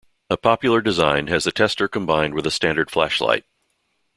A popular design has the tester combined with a standard flashlight.